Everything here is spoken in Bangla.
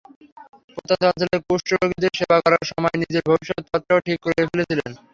প্রত্যন্ত অঞ্চলে কুষ্ঠরোগীদের সেবা করার সময় নিজের ভবিষ্যৎ পথটাও ঠিক করে ফেলেছিলেন।